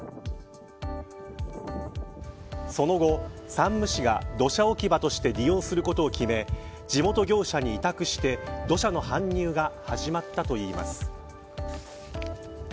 その後、山武市が土砂置き場として利用することを決め地元業者に委託して土砂の搬入が始まったといいます。